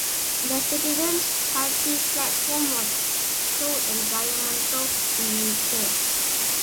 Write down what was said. The Citizens Party platform was pro-environmental in nature.